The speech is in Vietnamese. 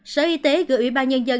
sở y tế gửi ủy ban nhân dân